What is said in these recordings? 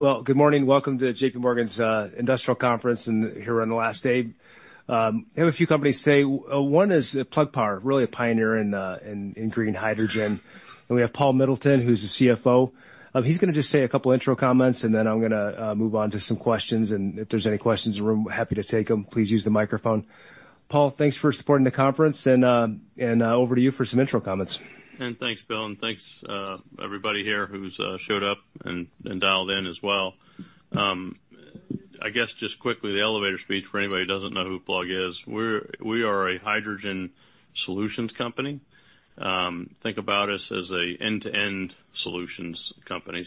Well, good morning. Welcome to JPMorgan's Industrial Conference, and here on the last day. We have a few companies today. One is Plug Power, really a pioneer in green hydrogen. And we have Paul Middleton, who's the CFO. He's gonna just say a couple intro comments, and then I'm gonna move on to some questions, and if there's any questions in the room, happy to take them. Please use the microphone. Paul, thanks for supporting the conference, and over to you for some intro comments. Thanks, Bill, and thanks, everybody here who's showed up and dialed in as well. I guess just quickly, the elevator speech for anybody who doesn't know who Plug is. We are a hydrogen solutions company. Think about us as a end-to-end solutions company.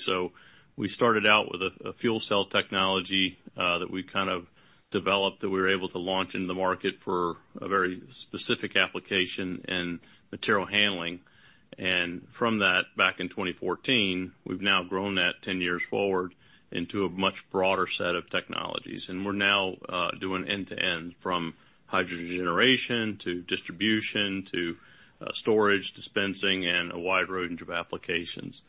We started out with a fuel cell technology that we kind of developed, that we were able to launch in the market for a very specific application in material handling. And from that, back in 2014, we've now grown that 10 years forward into a much broader set of technologies, and we're now doing end-to-end, from hydrogen generation, to distribution, to storage, dispensing, and a wide range of applications.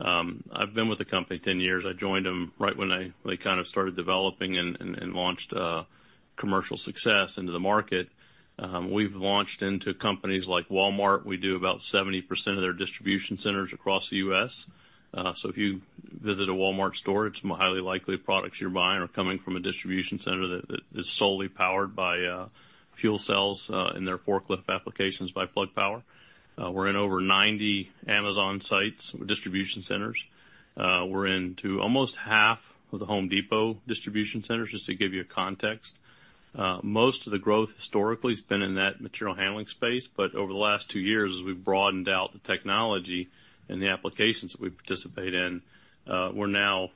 I've been with the company 10 years. I joined them right when they kind of started developing and launched a commercial success into the market. We've launched into companies like Walmart. We do about 70% of their distribution centers across the U.S. So if you visit a Walmart store, it's highly likely the products you're buying are coming from a distribution center that is solely powered by fuel cells in their forklift applications by Plug Power. We're in over 90 Amazon sites, distribution centers. We're into almost half of the Home Depot distribution centers, just to give you a context. Most of the growth historically has been in that material handling space, but over the last two years, as we've broadened out the technology and the applications that we participate in, we're now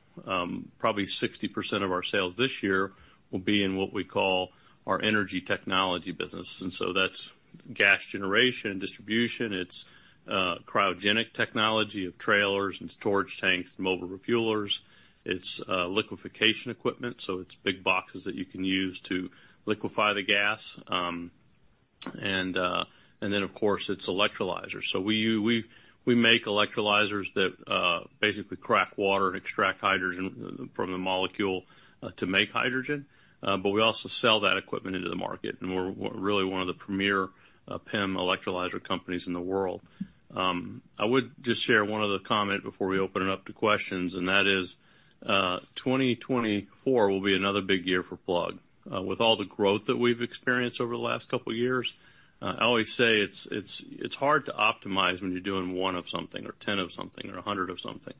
probably 60% of our sales this year will be in what we call our energy technology business. And so that's gas generation, distribution, it's cryogenic technology of trailers and storage tanks, mobile refuelers. It's liquefaction equipment, so it's big boxes that you can use to liquefy the gas. And then, of course, it's electrolyzers. So we make electrolyzers that basically crack water and extract hydrogen from the molecule to make hydrogen, but we also sell that equipment into the market, and we're really one of the premier PEM electrolyzer companies in the world. I would just share one other comment before we open it up to questions, and that is, 2024 will be another big year for Plug. With all the growth that we've experienced over the last couple of years, I always say it's hard to optimize when you're doing one of something, or 10 of something, or 100 of something.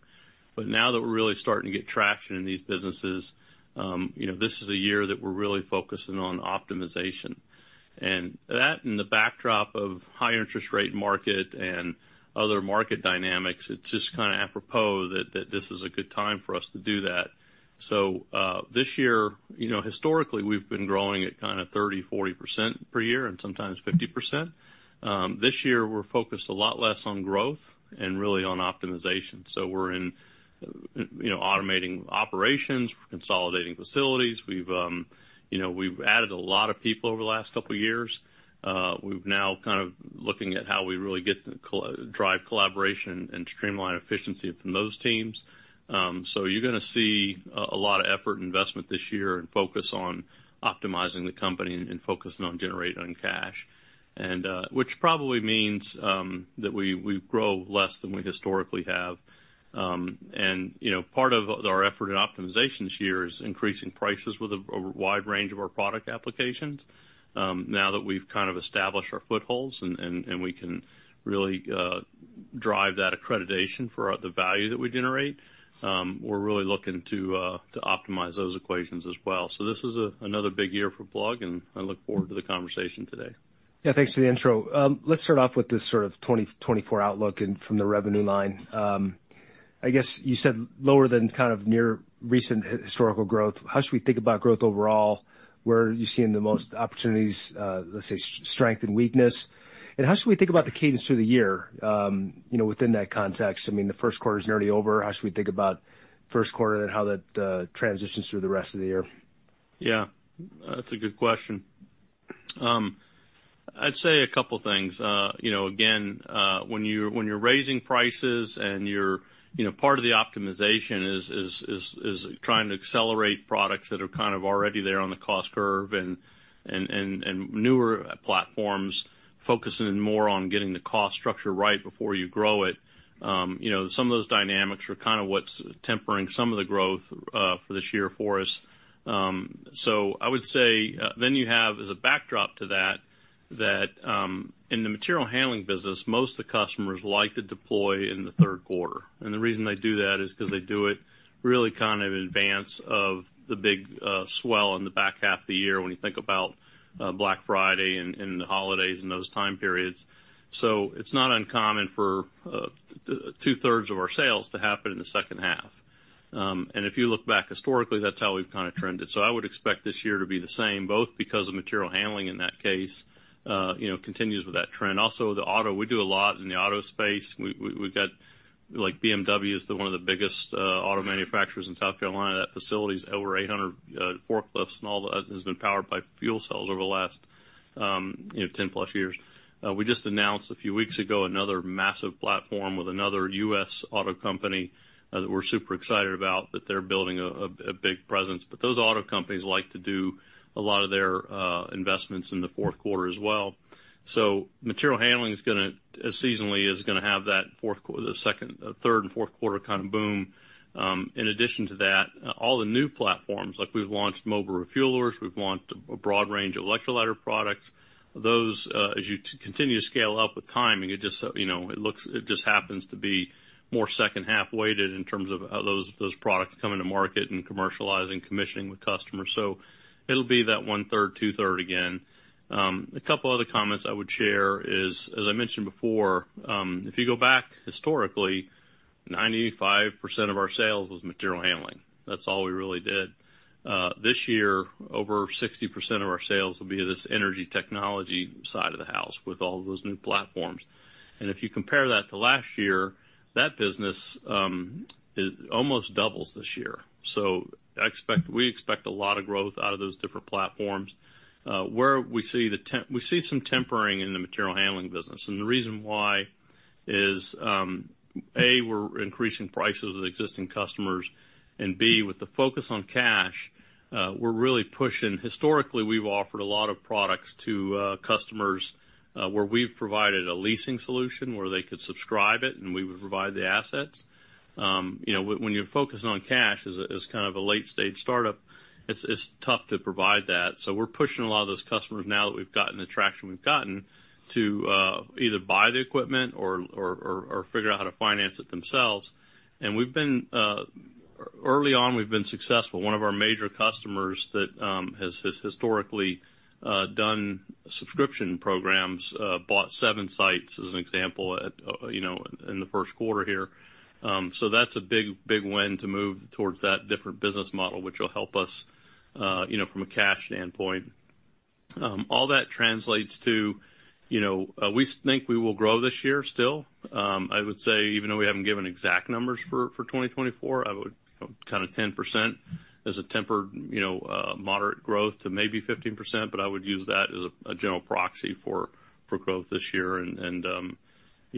But now that we're really starting to get traction in these businesses, you know, this is a year that we're really focusing on optimization. And that, in the backdrop of high interest rate market and other market dynamics, it's just kind of apropos that this is a good time for us to do that. So, this year... You know, historically, we've been growing at kind of 30, 40% per year, and sometimes 50%. This year, we're focused a lot less on growth and really on optimization. So we're in, you know, automating operations, we're consolidating facilities. We've, you know, we've added a lot of people over the last couple of years. We've now kind of looking at how we really get to drive collaboration and streamline efficiency from those teams. So you're gonna see a lot of effort and investment this year and focus on optimizing the company and focusing on generating on cash. And which probably means that we grow less than we historically have. And you know, part of our effort in optimization this year is increasing prices with a wide range of our product applications. Now that we've kind of established our footholds and we can really drive that accreditation for the value that we generate, we're really looking to optimize those equations as well. So this is another big year for Plug, and I look forward to the conversation today. Yeah, thanks for the intro. Let's start off with this sort of 2024 outlook and from the revenue line. I guess you said lower than kind of near recent historical growth. How should we think about growth overall? Where are you seeing the most opportunities, let's say, strength and weakness? And how should we think about the cadence through the year, you know, within that context? I mean, the first quarter is already over. How should we think about first quarter and how that transitions through the rest of the year? Yeah, that's a good question. I'd say a couple things. You know, again, when you're raising prices and you're... You know, part of the optimization is trying to accelerate products that are kind of already there on the cost curve and newer platforms, focusing more on getting the cost structure right before you grow it. You know, some of those dynamics are kind of what's tempering some of the growth, for this year for us. So I would say, then you have, as a backdrop to that, that, in the material handling business, most of the customers like to deploy in the third quarter. The reason they do that is because they do it really kind of in advance of the big swell in the back half of the year, when you think about Black Friday and the holidays and those time periods. So it's not uncommon for two-thirds of our sales to happen in the second half. And if you look back historically, that's how we've kind of trended. So I would expect this year to be the same, both because of material handling in that case, you know, continues with that trend. Also, the auto. We do a lot in the auto space. We've got, like, BMW is one of the biggest auto manufacturers in South Carolina. That facility has over 800 forklifts and all that, has been powered by fuel cells over the last, you know, 10+ years. We just announced a few weeks ago, another massive platform with another U.S. auto company, that we're super excited about, that they're building a big presence. But those auto companies like to do a lot of their investments in the fourth quarter as well. So material handling is gonna, as seasonally, is gonna have that fourth quarter, the second, third and fourth quarter kind of boom. In addition to that, all the new platforms, like we've launched mobile refuelers, we've launched a broad range of electrolyzer products. Those, as you continue to scale up with timing, it just, you know, it looks, it just happens to be more second half weighted in terms of how those, those products come into market and commercializing, commissioning with customers. So it'll be that one-third, two-thirds again. A couple other comments I would share is, as I mentioned before, if you go back historically, 95% of our sales was material handling. That's all we really did. This year, over 60% of our sales will be this energy technology side of the house with all those new platforms. And if you compare that to last year, that business, it almost doubles this year. So I expect, we expect a lot of growth out of those different platforms. Where we see some tempering in the material handling business, and the reason why is, A, we're increasing prices with existing customers, and B, with the focus on cash, we're really pushing. Historically, we've offered a lot of products to customers where we've provided a leasing solution where they could subscribe it, and we would provide the assets. You know, when you're focusing on cash as kind of a late-stage startup, it's tough to provide that. So we're pushing a lot of those customers now that we've gotten the traction we've gotten, to either buy the equipment or figure out how to finance it themselves. And early on, we've been successful. One of our major customers that has historically done subscription programs bought seven sites, as an example, you know, in the first quarter here. So that's a big, big win to move towards that different business model, which will help us, you know, from a cash standpoint. All that translates to, you know, we think we will grow this year still. I would say, even though we haven't given exact numbers for 2024, I would kind of 10% as a tempered, you know, moderate growth to maybe 15%, but I would use that as a general proxy for growth this year. you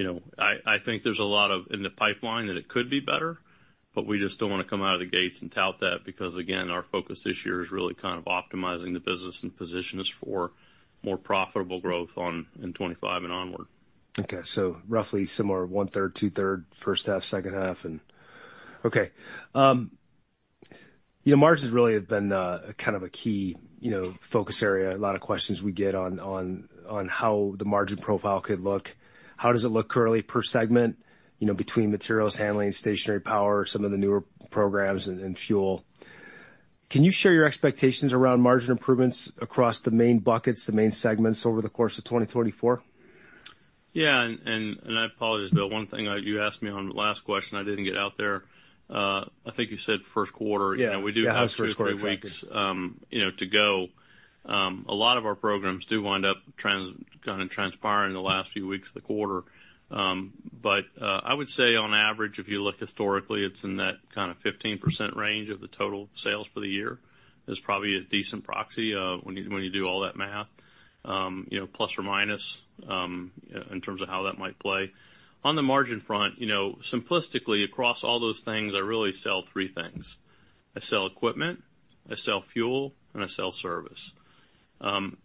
know, I think there's a lot of in the pipeline that it could be better, but we just don't want to come out of the gates and tout that, because, again, our focus this year is really kind of optimizing the business and position us for more profitable growth on, in 2025 and onward. Okay, so roughly similar, one-third, two-thirds, first half, second half, and okay. You know, margin has really been a kind of a key, you know, focus area. A lot of questions we get on, on, on how the margin profile could look. How does it look currently per segment, you know, between materials handling, stationary power, some of the newer programs and, and fuel? Can you share your expectations around margin improvements across the main buckets, the main segments over the course of 2024? Yeah, I apologize, Bill. One thing you asked me on the last question I didn't get out there. I think you said first quarter. Yeah. We do have two or three weeks, you know, to go. A lot of our programs do wind up transpiring in the last few weeks of the quarter. But I would say on average, if you look historically, it's in that kind of 15% range of the total sales for the year. It is probably a decent proxy, when you do all that math, you know, plus or minus, in terms of how that might play. On the margin front, you know, simplistically, across all those things, I really sell three things: I sell equipment, I sell fuel, and I sell service.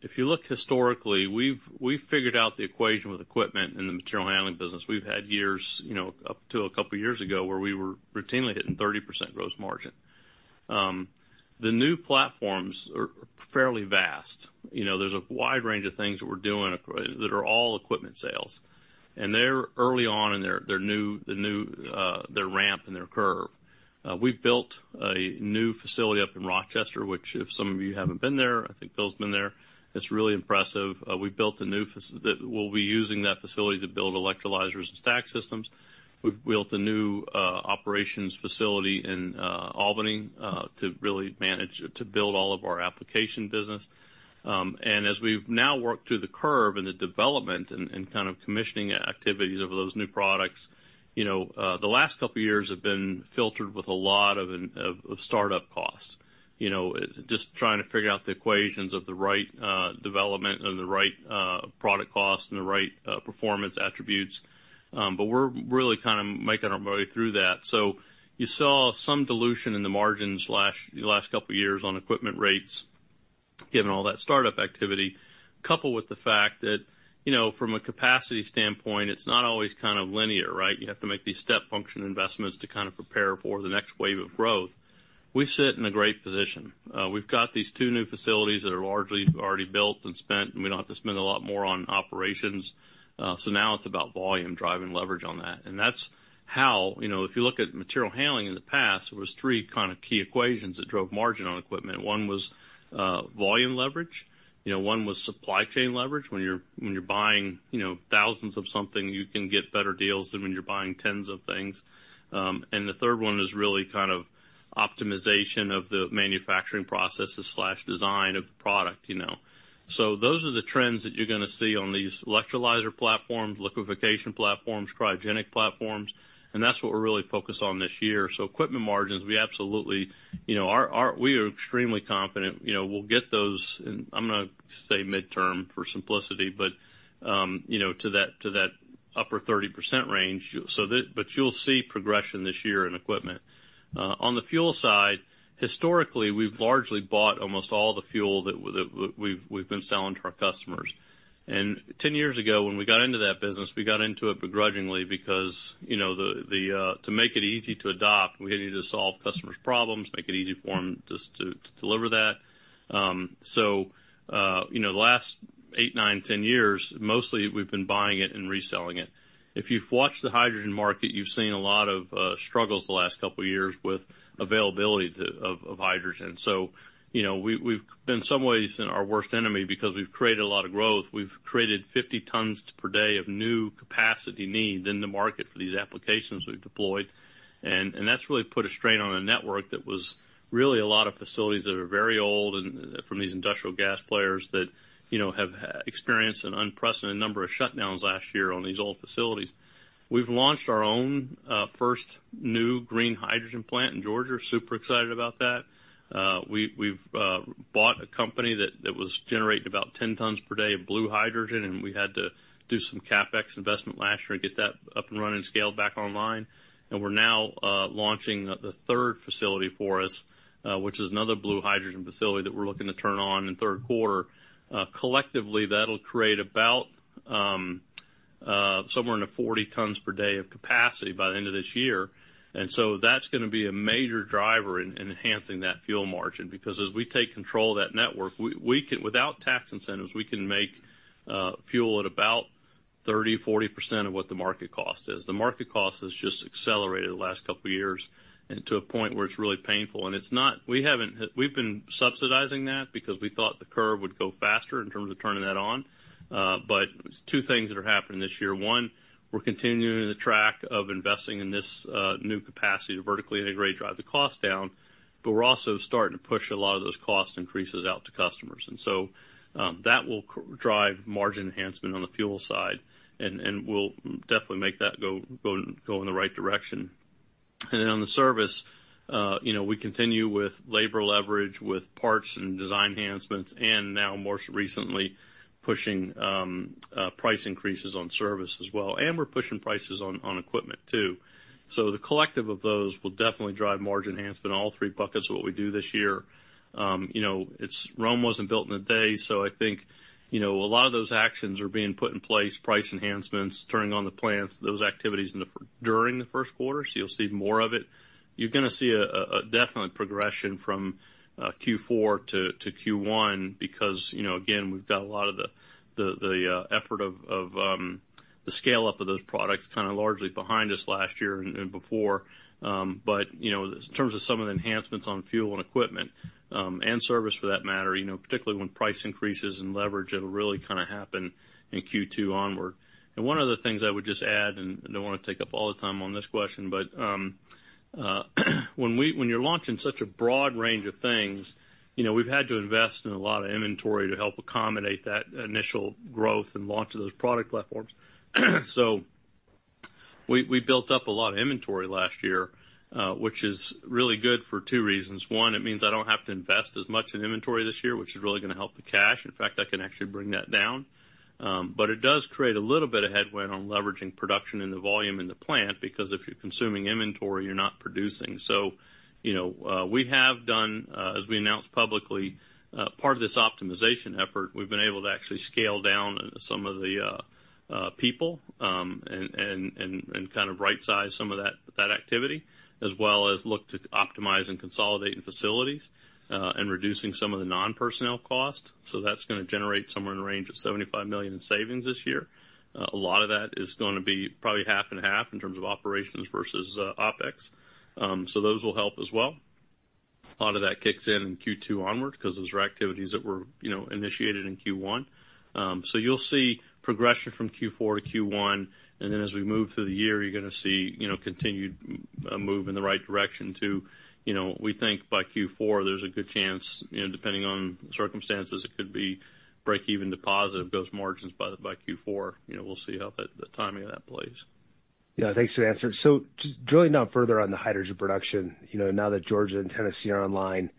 If you look historically, we've figured out the equation with equipment in the material handling business. We've had years, you know, up to a couple of years ago, where we were routinely hitting 30% gross margin. The new platforms are fairly vast. You know, there's a wide range of things that we're doing that are all equipment sales, and they're early on in their new ramp and their curve. We've built a new facility up in Rochester, which if some of you haven't been there, I think Bill's been there, it's really impressive. We'll be using that facility to build electrolyzers and stack systems. We've built a new operations facility in Albany to really manage, to build all of our application business. And as we've now worked through the curve and the development and kind of commissioning activities of those new products, you know, the last couple of years have been filled with a lot of startup costs. You know, just trying to figure out the economics of the right development and the right product costs and the right performance attributes. But we're really kinda making our way through that. So you saw some dilution in the margins, the last couple of years on equipment rates, given all that startup activity, coupled with the fact that, you know, from a capacity standpoint, it's not always kind of linear, right? You have to make these step function investments to kind of prepare for the next wave of growth. We sit in a great position. We've got these two new facilities that are largely already built and spent, and we don't have to spend a lot more on operations. So now it's about volume, driving leverage on that. And that's how... You know, if you look at material handling in the past, it was three kind of key equations that drove margin on equipment. One was volume leverage, you know, one was supply chain leverage. When you're buying, you know, thousands of something, you can get better deals than when you're buying tens of things. And the third one is really kind of optimization of the manufacturing processes/design of the product, you know. So those are the trends that you're gonna see on these electrolyzer platforms, liquefaction platforms, cryogenic platforms, and that's what we're really focused on this year. So equipment margins, we absolutely, you know, we are extremely confident, you know, we'll get those, and I'm gonna say midterm for simplicity, but you know, to that upper 30% range, so that, but you'll see progression this year in equipment. On the fuel side, historically, we've largely bought almost all the fuel that we've been selling to our customers. And 10 years ago, when we got into that business, we got into it begrudgingly because, you know, to make it easy to adopt, we needed to solve customers' problems, make it easy for them just to deliver that. So, you know, the last eight, nine, 10 years, mostly we've been buying it and reselling it. If you've watched the hydrogen market, you've seen a lot of struggles the last couple of years with availability of hydrogen. So, you know, we've in some ways, been our worst enemy because we've created a lot of growth. We've created 50 tons per day of new capacity needs in the market for these applications we've deployed. And that's really put a strain on a network that was really a lot of facilities that are very old and from these industrial gas players that, you know, have experienced an unprecedented number of shutdowns last year on these old facilities. We've launched our own first new green hydrogen plant in Georgia. Super excited about that. We've bought a company that was generating about 10 tons per day of blue hydrogen, and we had to do some CapEx investment last year to get that up and running scale back online. And we're now launching the third facility for us, which is another blue hydrogen facility that we're looking to turn on in the third quarter. Collectively, that'll create about somewhere in the 40 tons per day of capacity by the end of this year. And so that's gonna be a major driver in enhancing that fuel margin, because as we take control of that network, we can, without tax incentives, we can make fuel at about 30-40% of what the market cost is. The market cost has just accelerated the last couple of years, and to a point where it's really painful. And it's not. We haven't, we've been subsidizing that because we thought the curve would go faster in terms of turning that on. But two things that are happening this year: one, we're continuing the track of investing in this new capacity to vertically integrate, drive the cost down, but we're also starting to push a lot of those cost increases out to customers. And so, that will drive margin enhancement on the fuel side, and, and we'll definitely make that go, go, go in the right direction. And then on the service, you know, we continue with labor leverage, with parts and design enhancements, and now, more recently, pushing price increases on service as well, and we're pushing prices on, on equipment, too. So the collective of those will definitely drive margin enhancement in all three buckets of what we do this year. You know, it's Rome wasn't built in a day, so I think, you know, a lot of those actions are being put in place, price enhancements, turning on the plants, those activities during the first quarter, so you'll see more of it. You're gonna see a definite progression from Q4 to Q1 because, you know, again, we've got a lot of the effort of the scale-up of those products kind of largely behind us last year and before. But, you know, in terms of some of the enhancements on fuel and equipment, and service, for that matter, you know, particularly when price increases and leverage, it'll really kind of happen in Q2 onward. And one of the things I would just add, and I don't want to take up all the time on this question, but when you're launching such a broad range of things, you know, we've had to invest in a lot of inventory to help accommodate that initial growth and launch of those product platforms. So we, we built up a lot of inventory last year, which is really good for two reasons. One, it means I don't have to invest as much in inventory this year, which is really gonna help the cash. In fact, I can actually bring that down. But it does create a little bit of headwind on leveraging production in the volume in the plant, because if you're consuming inventory, you're not producing. So, you know, we have done, as we announced publicly, part of this optimization effort, we've been able to actually scale down some of the people, and kind of right-size some of that activity, as well as look to optimize and consolidate in facilities, and reducing some of the non-personnel costs. So that's gonna generate somewhere in the range of $75 million in savings this year. A lot of that is gonna be probably half and half in terms of operations versus OpEx. So those will help as well. A lot of that kicks in in Q2 onwards, because those are activities that were, you know, initiated in Q1. So, you'll see progression from Q4 to Q1, and then as we move through the year, you're gonna see, you know, continued move in the right direction to... You know, we think by Q4, there's a good chance, you know, depending on circumstances, it could be break even to positive, those margins by the, by Q4. You know, we'll see how the, the timing of that plays. Yeah, thanks for the answer. So just drilling down further on the hydrogen production, you know, now that Georgia and Tennessee are online,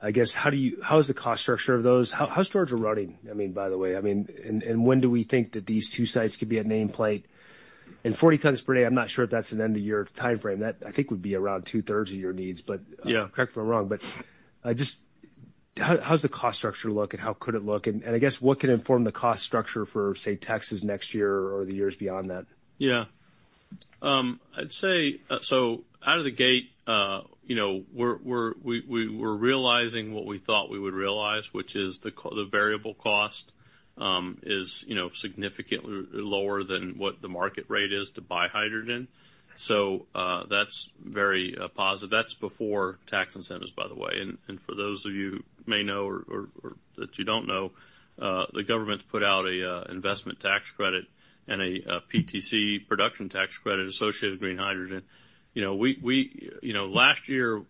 I guess, how do you - how is the cost structure of those? How, how is Georgia running? I mean, by the way, I mean, and, and when do we think that these two sites could be at nameplate? And 40 tons per day, I'm not sure if that's an end-of-year timeframe. That, I think, would be around two-thirds of your needs, but- Yeah. Correct me if I'm wrong, but just how's the cost structure look and how could it look? And I guess what can inform the cost structure for, say, Texas next year or the years beyond that? Yeah. I'd say, so out of the gate, you know, we're realizing what we thought we would realize, which is the variable cost is significantly lower than what the market rate is to buy hydrogen. So, that's very positive. That's before tax incentives, by the way. And for those of you who may know or that you don't know, the government's put out a Investment Tax Credit and a PTC, Production Tax Credit, associated with green hydrogen. You know, last year,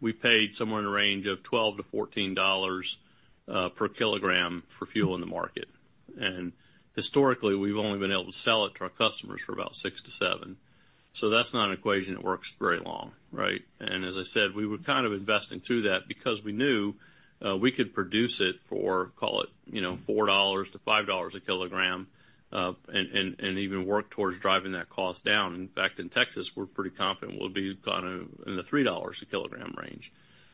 we paid somewhere in the range of $12-$14 per kilogram for fuel in the market. And historically, we've only been able to sell it to our customers for about $6-$7. So that's not an equation that works very long, right? And as I said, we were kind of investing through that because we knew we could produce it for, call it, you know, $4-$5 a kilogram, and even work towards driving that cost down. In fact, in Texas, we're pretty confident we'll be kind of in the $3 a kilogram range.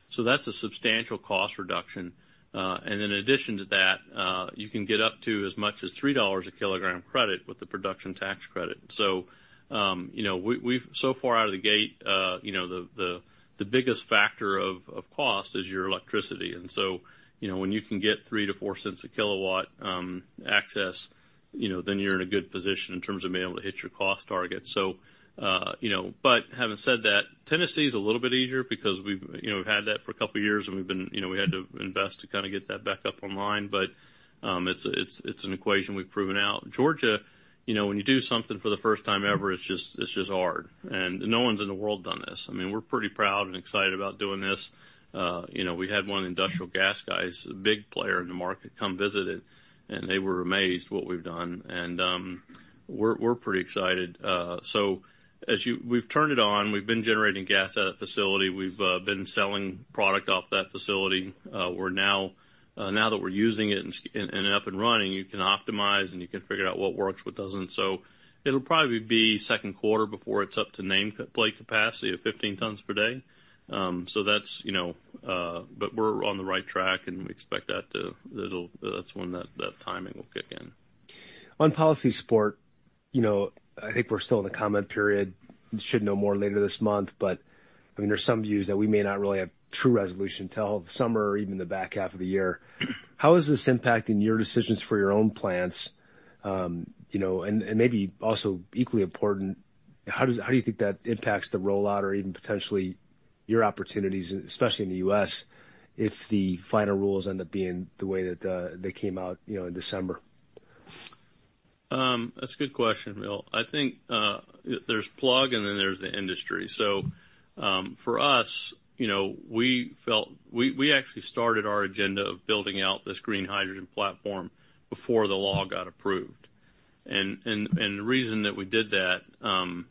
So that's a substantial cost reduction. And in addition to that, you can get up to as much as $3 a kilogram credit with the production tax credit. So, you know, we've so far out of the gate, you know, the biggest factor of cost is your electricity. So, you know, when you can get $0.03-$0.04 per kWh excess, you know, then you're in a good position in terms of being able to hit your cost target. So, you know, but having said that, Tennessee is a little bit easier because we've, you know, had that for a couple of years, and we had to invest to kind of get that back up online. But, it's an equation we've proven out. Georgia, you know, when you do something for the first time ever, it's just hard, and no one's in the world done this. I mean, we're pretty proud and excited about doing this. You know, we had one of the industrial gas guys, a big player in the market, come visit it, and they were amazed what we've done, and we're pretty excited. So as you, we've turned it on, we've been generating gas at that facility. We've been selling product off that facility. We're now, now that we're using it and up and running, you can optimize, and you can figure out what works, what doesn't. So it'll probably be second quarter before it's up to nameplate capacity of 15 tons per day. So that's, you know, but we're on the right track, and we expect that to. It'll, that's when that timing will kick in. On policy support, you know, I think we're still in the comment period, should know more later this month, but, I mean, there's some views that we may not really have true resolution till summer or even the back half of the year. How is this impacting your decisions for your own plants? You know, and maybe also equally important, how do you think that impacts the rollout or even potentially your opportunities, especially in the U.S., if the final rules end up being the way that they came out, you know, in December? That's a good question, Bill. I think, there's Plug, and then there's the industry. So, for us, you know, we felt—we, we actually started our agenda of building out this green hydrogen platform before the law got approved. And, and, and the reason that we did that,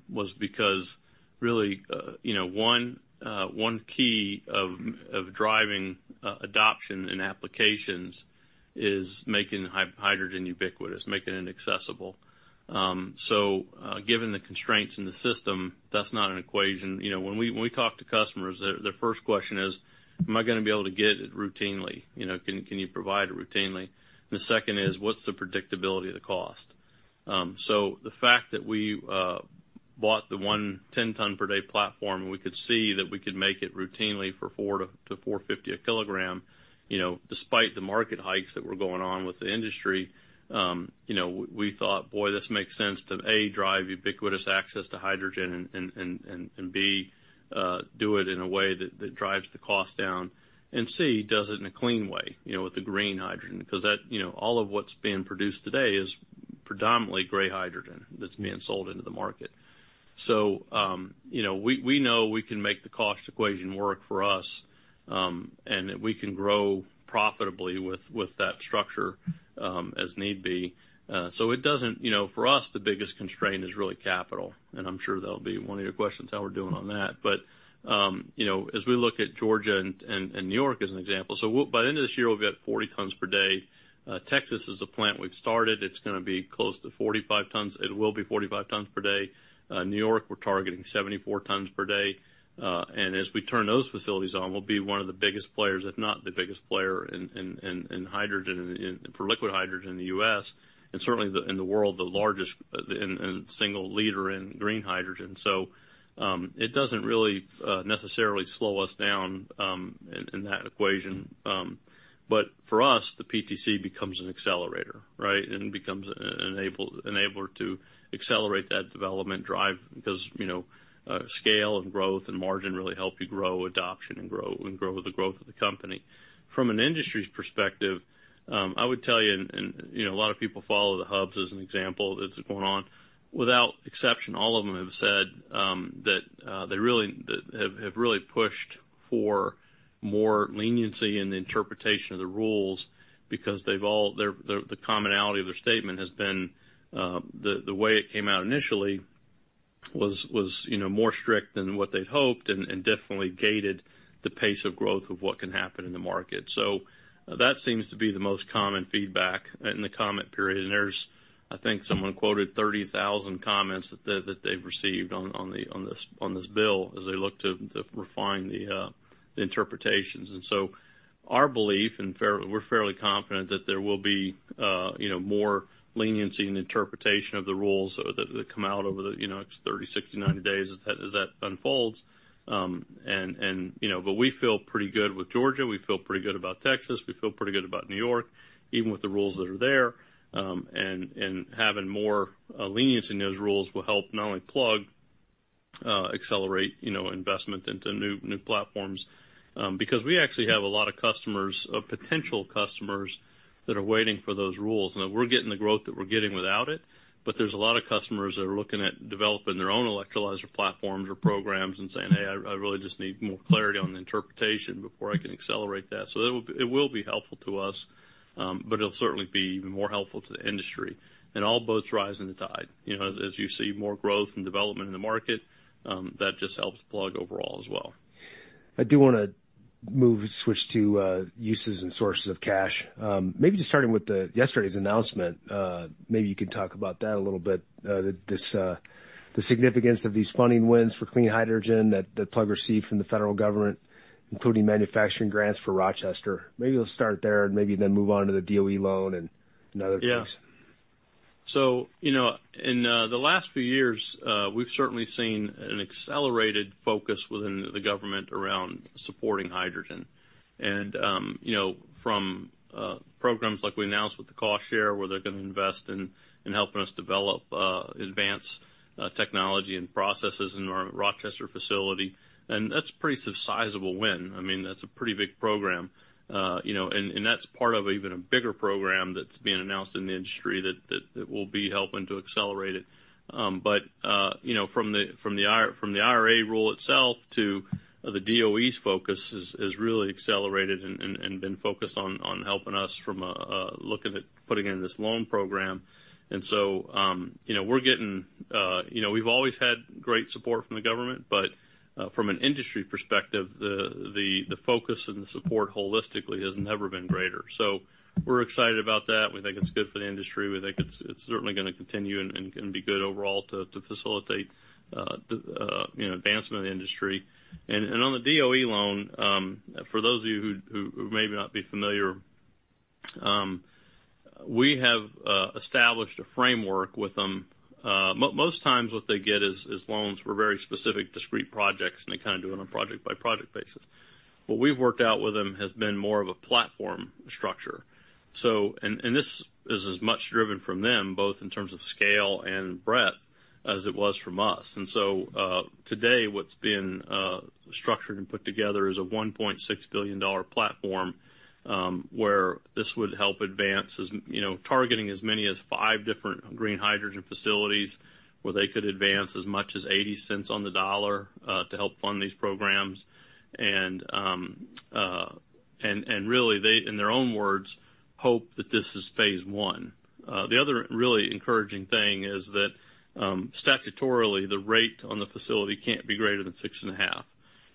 was because really, you know, one, one key of, of driving, adoption and applications is making hydrogen ubiquitous, making it accessible. So, given the constraints in the system, that's not an equation. You know, when we, when we talk to customers, their, their first question is: Am I gonna be able to get it routinely? You know, can, can you provide it routinely? The second is, what's the predictability of the cost? So the fact that we bought the 110-ton-per-day platform, and we could see that we could make it routinely for $4-$4.50 a kilogram, you know, despite the market hikes that were going on with the industry, you know, we thought, boy, this makes sense to A, drive ubiquitous access to hydrogen, and B, do it in a way that drives the cost down, and C, does it in a clean way, you know, with the green hydrogen. Because that, you know, all of what's being produced today is predominantly gray hydrogen that's being sold into the market. So, you know, we know we can make the cost equation work for us, and that we can grow profitably with that structure, as need be. So it doesn't, you know... For us, the biggest constraint is really capital, and I'm sure that'll be one of your questions, how we're doing on that. But, you know, as we look at Georgia and New York as an example, so we'll be at 40 tons per day by the end of this year. Texas is a plant we've started. It's gonna be close to 45 tons. It will be 45 tons per day. New York, we're targeting 74 tons per day. And as we turn those facilities on, we'll be one of the biggest players, if not the biggest player, in hydrogen, for liquid hydrogen in the U.S., and certainly in the world, the largest single leader in green hydrogen. So, it doesn't really necessarily slow us down in that equation. But for us, the PTC becomes an accelerator, right? And becomes an enabler to accelerate that development drive, because, you know, scale and growth and margin really help you grow adoption and grow, and grow the growth of the company. From an industry's perspective, I would tell you, and you know, a lot of people follow the hubs as an example that's going on. Without exception, all of them have said that they really pushed for more leniency in the interpretation of the rules because they've all, their commonality of their statement has been the way it came out initially was, you know, more strict than what they'd hoped and definitely gated the pace of growth of what can happen in the market. So that seems to be the most common feedback in the comment period. And there's, I think, someone quoted 30,000 comments that they've received on this bill as they look to refine the interpretations. And so our belief, we're fairly confident that there will be, you know, more leniency in interpretation of the rules that come out over the, you know, next 30, 60, 90 days as that unfolds. You know, but we feel pretty good with Georgia. We feel pretty good about Texas. We feel pretty good about New York, even with the rules that are there. Having more leniency in those rules will help not only Plug-... Accelerate, you know, investment into new platforms, because we actually have a lot of customers, of potential customers, that are waiting for those rules. Now, we're getting the growth that we're getting without it, but there's a lot of customers that are looking at developing their own electrolyzer platforms or programs and saying, "Hey, I really just need more clarity on the interpretation before I can accelerate that." So it will be helpful to us, but it'll certainly be even more helpful to the industry. And all boats rise in the tide. You know, as you see more growth and development in the market, that just helps Plug overall as well. I do want to move, switch to, uses and sources of cash. Maybe just starting with yesterday's announcement, maybe you could talk about that a little bit, that this, the significance of these funding wins for clean hydrogen that Plug received from the federal government, including manufacturing grants for Rochester. Maybe we'll start there and maybe then move on to the DOE loan and other things. Yeah. So, you know, in the last few years, we've certainly seen an accelerated focus within the government around supporting hydrogen. And, you know, from programs like we announced with the cost share, where they're going to invest in helping us develop advanced technology and processes in our Rochester facility, and that's a pretty sizable win. I mean, that's a pretty big program, you know, and that's part of even a bigger program that's being announced in the industry that will be helping to accelerate it. But, you know, from the IRA rule itself to the DOE's focus is really accelerated and been focused on helping us from a looking at putting in this loan program. And so, you know, we're getting, you know, we've always had great support from the government, but, from an industry perspective, the focus and the support holistically has never been greater. So we're excited about that. We think it's good for the industry. We think it's certainly going to continue and can be good overall to facilitate, you know, the advancement of the industry. And on the DOE loan, for those of you who may not be familiar, we have established a framework with them. Most times, what they get is loans for very specific, discrete projects, and they kind of do it on a project-by-project basis. What we've worked out with them has been more of a platform structure. This is as much driven from them, both in terms of scale and breadth, as it was from us. And so, today, what's been structured and put together is a $1.6 billion platform, where this would help advance, you know, targeting as many as five different green hydrogen facilities, where they could advance as much as $0.80 on the dollar to help fund these programs. And really, they, in their own words, hope that this is phase one. The other really encouraging thing is that statutorily, the rate on the facility can't be greater than 6.5.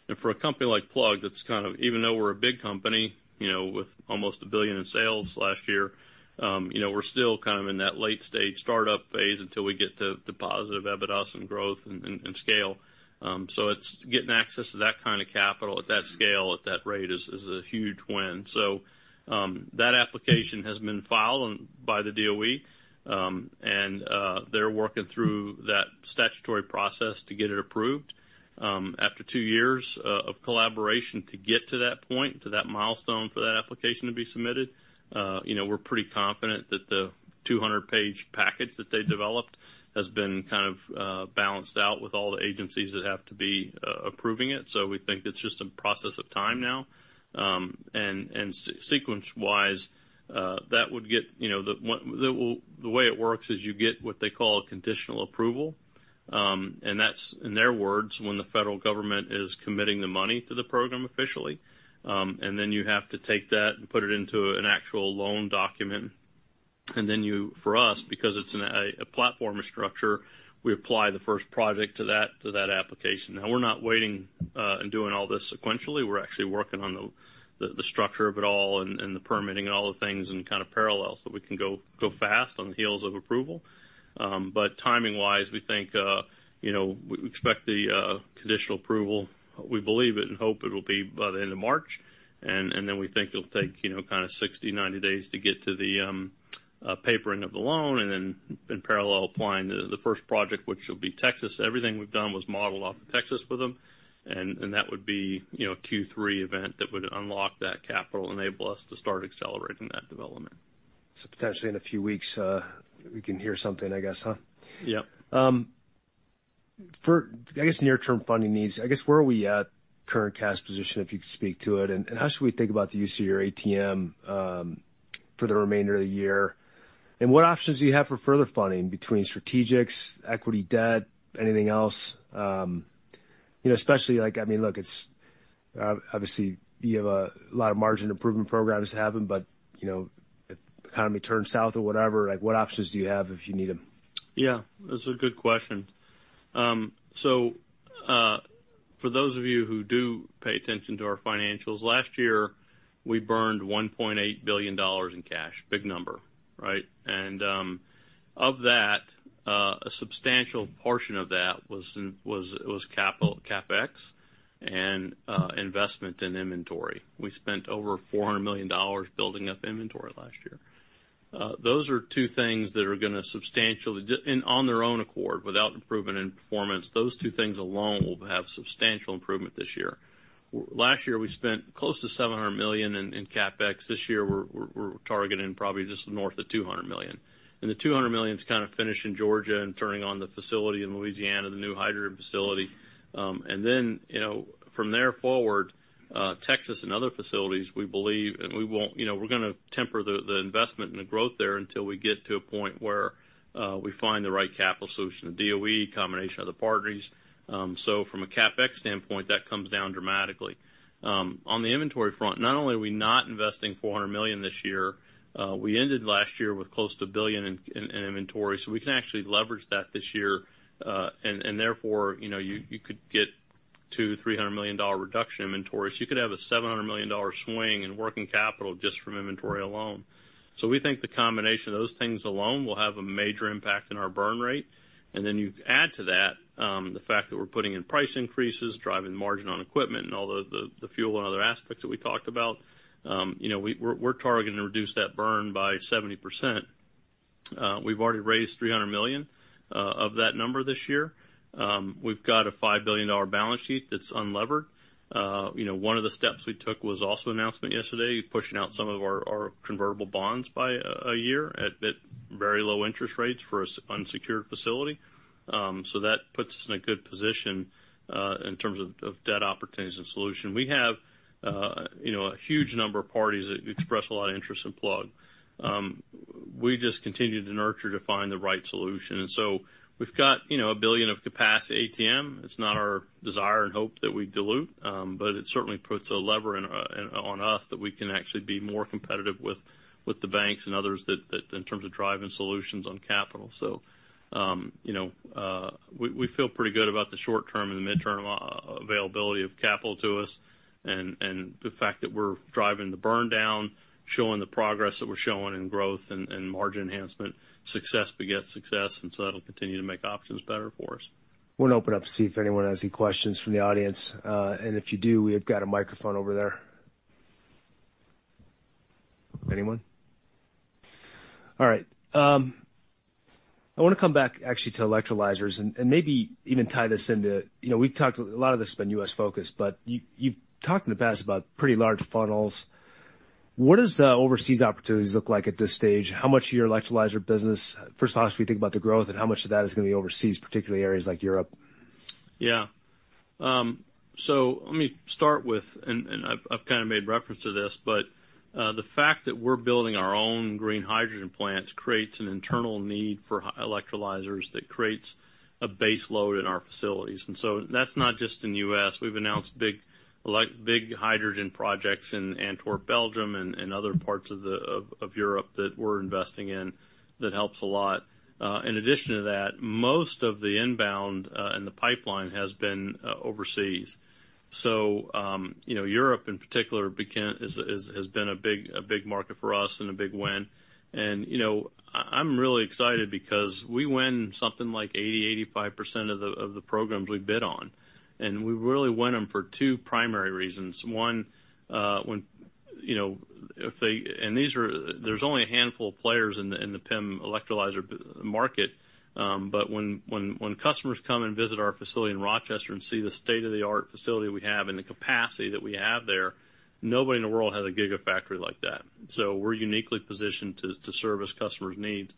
And for a company like Plug, that's kind of... Even though we're a big company, you know, with almost $1 billion in sales last year, you know, we're still kind of in that late-stage startup phase until we get to the positive EBITDA and growth and scale. So it's getting access to that kind of capital at that scale, at that rate is a huge win. So that application has been filed on by the DOE, and they're working through that statutory process to get it approved. After two years of collaboration to get to that point, to that milestone for that application to be submitted, you know, we're pretty confident that the 200-page package that they developed has been kind of balanced out with all the agencies that have to be approving it. So we think it's just a process of time now. Sequence-wise, that would get, you know, the way it works is you get what they call a conditional approval, and that's, in their words, when the federal government is committing the money to the program officially. And then you have to take that and put it into an actual loan document, and then you, for us, because it's a platform structure, we apply the first project to that, to that application. Now, we're not waiting and doing all this sequentially. We're actually working on the structure of it all and the permitting and all the things in kind of parallel, so we can go fast on the heels of approval. But timing-wise, we think, you know, we expect the conditional approval. We believe it and hope it will be by the end of March, and then we think it'll take, you know, kind of 60-90 days to get to the papering of the loan and then, in parallel, applying the first project, which will be Texas. Everything we've done was modeled off of Texas with them, and that would be, you know, a Q3 event that would unlock that capital and enable us to start accelerating that development. So potentially in a few weeks, we can hear something, I guess, huh? Yep. For, I guess, near-term funding needs, I guess, where are we at current cash position, if you could speak to it? And how should we think about the use of your ATM for the remainder of the year? And what options do you have for further funding between strategics, equity, debt, anything else? You know, especially, like, I mean, look, it's obviously, you have a lot of margin improvement programs happening, but, you know, if the economy turns south or whatever, like, what options do you have if you need them? Yeah, that's a good question. So, for those of you who do pay attention to our financials, last year, we burned $1.8 billion in cash. Big number, right? And, of that, a substantial portion of that was in capital CapEx and investment in inventory. We spent over $400 million building up inventory last year. Those are two things that are gonna substantially, just, and on their own accord, without improvement in performance, those two things alone will have substantial improvement this year. Last year, we spent close to $700 million in CapEx. This year, we're targeting probably just north of $200 million. And the $200 million is kind of finished in Georgia and turning on the facility in Louisiana, the new hydrogen facility. And then, you know, from there forward, Texas and other facilities, we believe, and we won't, you know, we're gonna temper the investment and the growth there until we get to a point where we find the right capital solution, the DOE combination of the partners. So from a CapEx standpoint, that comes down dramatically. On the inventory front, not only are we not investing $400 million this year, we ended last year with close to $1 billion in inventory, so we can actually leverage that this year, and therefore, you know, you could get $200-$300 million-dollar reduction in inventories. You could have a $700 million-dollar swing in working capital just from inventory alone. So we think the combination of those things alone will have a major impact in our burn rate. Then you add to that, the fact that we're putting in price increases, driving margin on equipment and all the fuel and other aspects that we talked about, you know, we're targeting to reduce that burn by 70%. We've already raised $300 million of that number this year. We've got a $5 billion balance sheet that's unlevered. You know, one of the steps we took was also an announcement yesterday, pushing out some of our convertible bonds by a year at very low interest rates for an unsecured facility. So that puts us in a good position in terms of debt opportunities and solution. We have, you know, a huge number of parties that express a lot of interest in Plug. We just continue to nurture to find the right solution. And so we've got, you know, $1 billion of capacity ATM. It's not our desire and hope that we dilute, but it certainly puts a lever in on us that we can actually be more competitive with the banks and others that in terms of driving solutions on capital. So, you know, we feel pretty good about the short term and the midterm availability of capital to us, and the fact that we're driving the burn down, showing the progress that we're showing in growth and margin enhancement. Success begets success, and so that'll continue to make options better for us. We're gonna open up to see if anyone has any questions from the audience. And if you do, we have got a microphone over there. Anyone? All right. I wanna come back actually to electrolyzers and maybe even tie this into... You know, we've talked, a lot of this has been U.S.-focused, but you, you've talked in the past about pretty large funnels. What does the overseas opportunities look like at this stage? How much of your electrolyzer business, first of all, as we think about the growth, and how much of that is gonna be overseas, particularly areas like Europe? Yeah. So let me start with, and I've kind of made reference to this, but the fact that we're building our own green hydrogen plants creates an internal need for electrolyzers that creates a base load in our facilities. And so that's not just in the U.S. We've announced big hydrogen projects in Antwerp, Belgium, and other parts of Europe that we're investing in that helps a lot. In addition to that, most of the inbound in the pipeline has been overseas. So you know, Europe, in particular, is, has been a big market for us and a big win. You know, I'm really excited because we win something like 80%-85% of the programs we bid on, and we really win them for two primary reasons. One, when, you know, if they. These are—there's only a handful of players in the PEM electrolyzer market. But when customers come and visit our facility in Rochester and see the state-of-the-art facility we have and the capacity that we have there, nobody in the world has a gigafactory like that. So we're uniquely positioned to service customers' needs.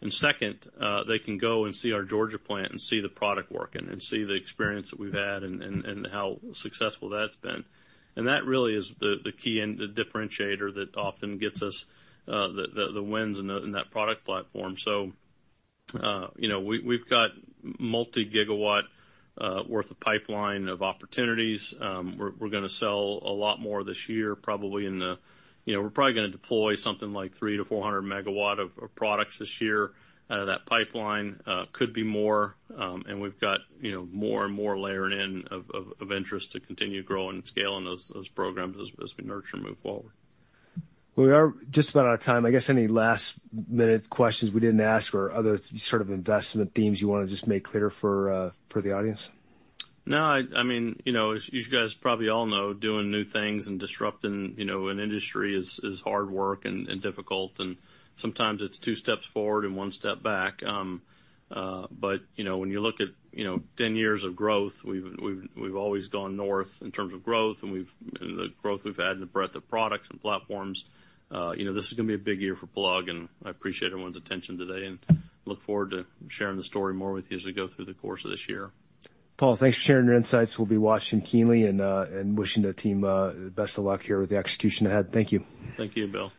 And second, they can go and see our Georgia plant and see the product working and see the experience that we've had and how successful that's been. And that really is the key and the differentiator that often gets us the wins in that product platform. So, you know, we've got multi-gigawatt worth of pipeline of opportunities. We're gonna sell a lot more this year, probably in the... You know, we're probably gonna deploy something like 300-400 MW of products this year out of that pipeline. Could be more, and we've got, you know, more and more layering in of interest to continue growing and scaling those programs as we nurture and move forward. We are just about out of time. I guess, any last-minute questions we didn't ask or other sort of investment themes you wanna just make clear for, for the audience? No, I mean, you know, as you guys probably all know, doing new things and disrupting, you know, an industry is hard work and difficult, and sometimes it's two steps forward and one step back. But, you know, when you look at, you know, 10 years of growth, we've always gone north in terms of growth, and the growth we've had in the breadth of products and platforms, you know, this is gonna be a big year for Plug, and I appreciate everyone's attention today, and look forward to sharing the story more with you as we go through the course of this year. Paul, thanks for sharing your insights. We'll be watching keenly and, and wishing the team, the best of luck here with the execution ahead. Thank you. Thank you, Bill.